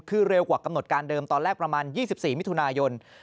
คือเร็วกว่ากำหนดการเดิมตอนแรกประมาณ๒๔มิถุนายน